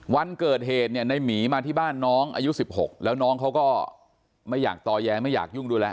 วันเกิดเหตุเนี่ยในหมีมาที่บ้านน้องอายุ๑๖แล้วน้องเขาก็ไม่อยากต่อแย้ไม่อยากยุ่งด้วยแล้ว